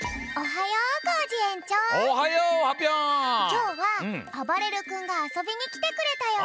きょうはあばれる君があそびにきてくれたよ。